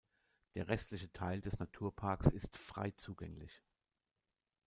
Der restliche Teil des Naturparks ist frei zugänglich.